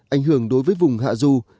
ảnh hưởng đối với vùng hạ du